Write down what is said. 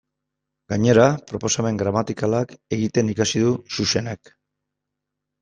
Gainera, proposamen gramatikalak egiten ikasi du Xuxenek.